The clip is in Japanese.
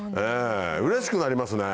うれしくなりますね。